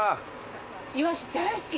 イワシ大好き。